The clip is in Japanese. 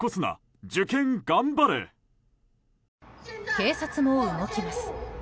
警察も動きます。